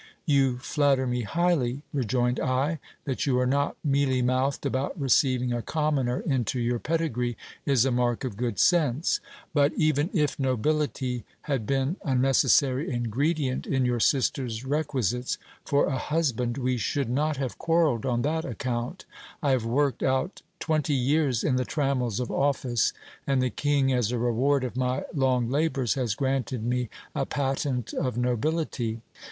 You flatter me highly, rejoined I ; that you are not mealy mouthed about receiving a commoner into your pedigree, is a mark of good sense ; but even if nobility had been a necessary ingredient in your sister's requisites for a husband, we should not have quarrelled on that account I have worked out twenty years in the trammels of office ; and the king, as a reward of my long labours, has granted me a patent of nobility.